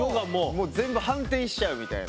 もう全部反転しちゃうみたいな。